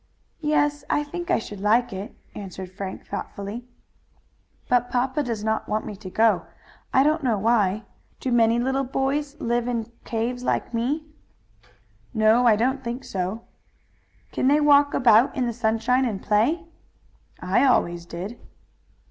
"Yes, I think I should like it," answered Frank thoughtfully. "But papa does not want me to go. I don't know why. Do many little boys live in caves like me?" "No, I don't think so." "Can they walk about in the sunshine and play?" "I always did."